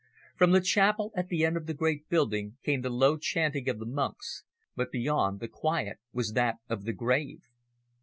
From the chapel at the end of the great building came the low chanting of the monks, but beyond, the quiet was that of the grave.